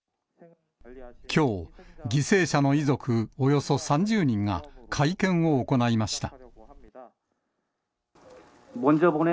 きょう、犠牲者の遺族およそ３０人が、会見を行いました。